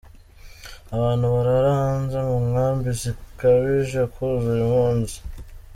Abantu barara hanze mu nkambi zikabije kuzura impunzi.